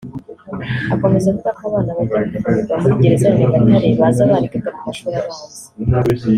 Akomeza avuga ko abana bajya gufungirwa muri gereza ya Nyagatare baza barigaga mu mashuri abanza